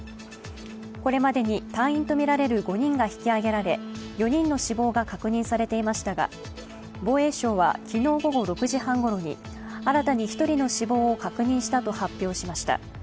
これまでに隊員とみられる５人が引き上げられ４人の死亡が確認されていましたが防衛省は昨日午後６時半ごろに新たに１人の死亡を確認したと発表しました。